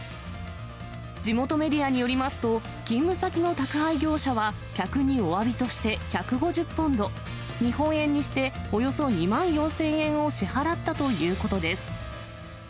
地元メディアによりますと、勤務先の宅配業者は、客におわびとして１５０ポンド、日本円にしておよそ２万４０００円を支払ったということです。